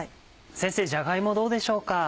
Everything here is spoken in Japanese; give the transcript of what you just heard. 先生じゃが芋どうでしょうか？